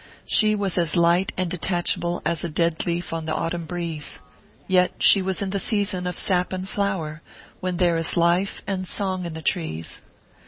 She was as light and detachable as a dead leaf on the autumn breeze yet she was in the season of sap and flower, when there is life and song in the trees!